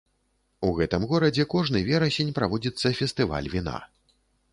У гэтым горадзе кожны верасень праводзіцца фестываль віна.